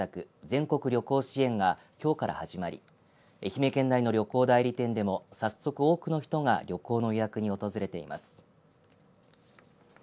全国旅行支援がきょうから始まり愛媛県内の旅行代理店でも早速、多くの人が旅行の予約に訪れています。